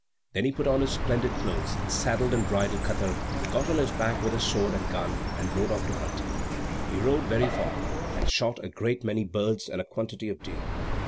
Then he put on his splendid clothes, saddled and bridled Katar, got on his back with his sword and gun, and rode off to hunt. He rode very far, and shot a great many birds and a quantity of deer.